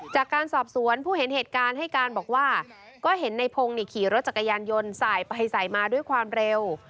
จากการสอบสวนผู้เห็นเหตุการณ์ให้การบอกว่าก็เห็นในพงศ์ขี่รถจักรยานยนต์สายไปสายมาด้วยความเร็ว